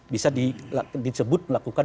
bisa di sebut melakukan